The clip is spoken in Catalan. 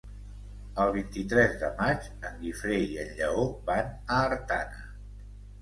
El vint-i-tres de maig en Guifré i en Lleó van a Artana.